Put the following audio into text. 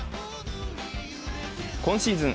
今シーズン